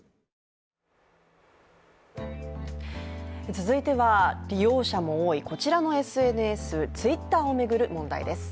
続いては利用者も多いこちらのＳＮＳ、Ｔｗｉｔｔｅｒを巡る問題です。